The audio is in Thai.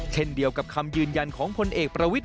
เช่นเดียวกับคำยืนยันของพลเอกประวิทย